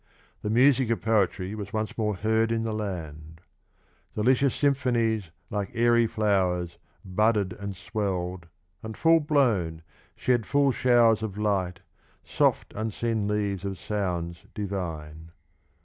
The music of poetry was once more heard in the land : Delicious symphonies, like airy flowers, Budded, and swell'd, and, full blown, shed full showers Of light, soft, unseen leaves of sounds divine.